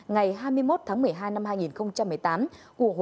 ngày hai mươi một tháng một mươi hai năm hai nghìn một mươi tám của hội đồng thành phố